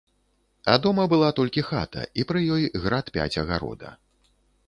А дома была толькі хата, і пры ёй град пяць агарода.